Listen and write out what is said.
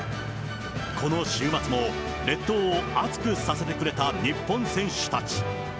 この週末も、列島を熱くさせてくれた日本選手たち。